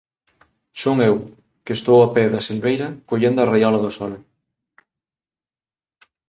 Son eu, que estou ó pé da silveira, collendo a raiola do sol